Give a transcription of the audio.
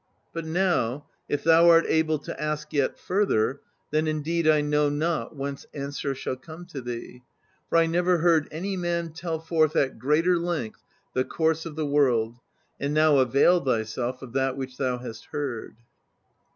But now, if thou art able to ask yet further, then indeed I know not whence answer shall come to thee, for I never heard any man tell forth at greater length the course of the world; and now avail thyself of that which thou hast heard."